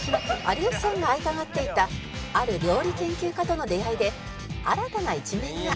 有吉さんが会いたがっていたある料理研究家との出会いで新たな一面が